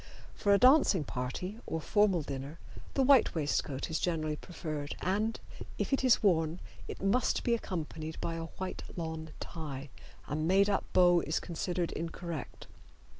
For a dancing party or formal dinner the white waistcoat is generally preferred, and, if it is worn, it must be accompanied by a white lawn tie. A made up bow is considered incorrect.